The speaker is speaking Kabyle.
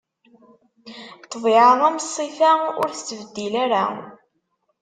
Ṭṭbiɛa am ṣṣifa, ur tettbeddil ara.